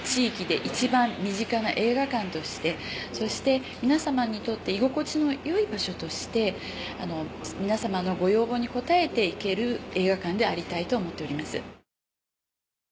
としてそして皆様にとって居心地の良い場所として皆様のご要望に応えて行ける映画館でありたいと思っております。